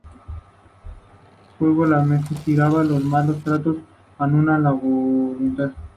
Luego el mensaje giraba: 'Los malos tratos anulan su voluntad.